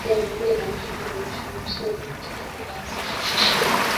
wanyama wengi wanahama mwisho wa msimu wa kiangazi